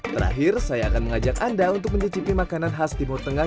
terakhir saya akan mengajak anda untuk mencicipi makanan khas timur tengah